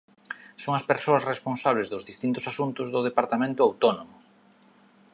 Son as persoas responsables dos distintos asuntos do departamento autónomo.